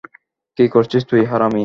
কী করছিস তুই, হারামী?